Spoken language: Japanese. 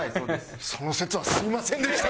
その節はすみませんでした！